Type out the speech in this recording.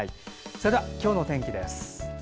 それでは今日の天気です。